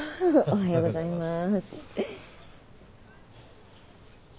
おはようございます。